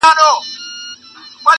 سره لمبه به دا ښارونه دا وطن وي-